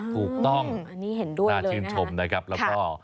ถูกต้องน่าชื่นชมนะครับแล้วก็